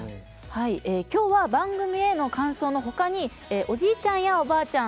今日は番組への感想の他におじいちゃんやおばあちゃん